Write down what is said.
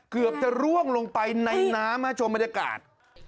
เกือบจะร่วงลงไปในน้ำชมบรรยากาศ